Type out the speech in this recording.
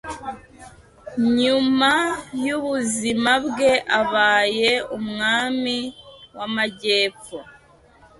Nyuma yubuzima bweabaye umwami wamajyepfo